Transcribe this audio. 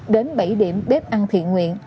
đến bảy điểm bếp ăn thiện nguyện